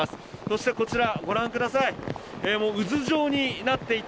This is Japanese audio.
そしてこちら、ご覧ください。